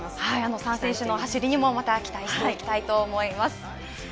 ３選手の走りにも期待していきたいと思います。